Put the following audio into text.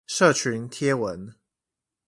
社群貼文